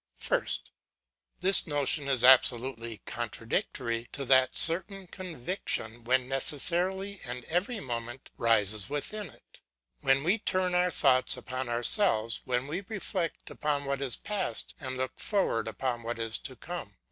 First. This notion is absolutely contradictory to that certain conviction, which necessarily and every moment rises within us, when we turn our thoughts upon ourselves, when we reflect upon what is past, and look forward upon what is to come.